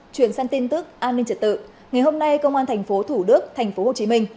truyền sang tin tức an ninh trật tự ngày hôm nay công an thành phố thủ đức thành phố hồ chí minh